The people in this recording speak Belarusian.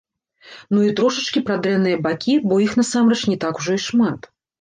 Ну і трошачкі пра дрэнныя бакі, бо іх, насамрэч, не так ужо і шмат.